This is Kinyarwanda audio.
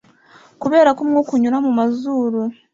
Kubera ko umwuka unyura mu mazuru